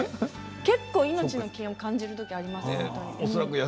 結構、命の危険を感じる時があります。